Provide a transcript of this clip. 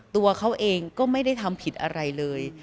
ตัวเขาเองก็ไม่ได้ทำผิดอะไรเลย